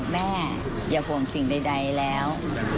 แม่อย่าห่วงสิ่งใดแล้ว